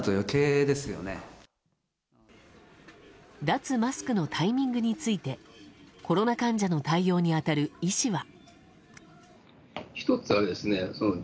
脱マスクのタイミングについてコロナ患者の対応に当たる医師は。